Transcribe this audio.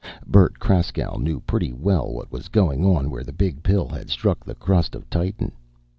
Bert Kraskow knew pretty well what was going on where the Big Pill had struck the crust of Titan.